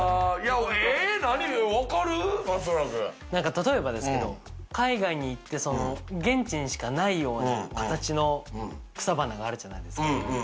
例えばですけど、海外に行って、現地にしかないような形の草花があるじゃないですか。